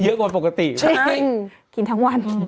เยอะกว่าปกติจะได้ใช่กินทั้งวัน